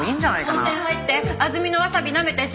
温泉入って安曇野わさびなめて地